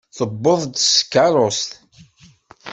Tuweḍ-d s tkeṛṛust.